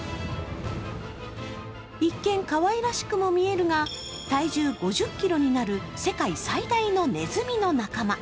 一見、かわいらしくも見えるが体重５０ｋｇになる世界最大のねずみの仲間。